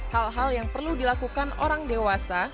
hal hal yang perlu dilakukan orang dewasa